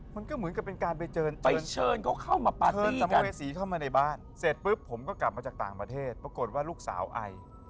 มันก็เหมือนกับเป็นการไปเชิญเขาเข้ามาปัดเชิญสัมภเวษีเข้ามาในบ้านเสร็จปุ๊บผมก็กลับมาจากต่างประเทศปรากฏว่าลูกสาวไอ